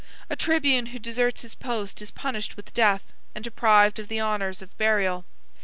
A tribune who deserts his post is punished with death, and deprived of the honors of burial.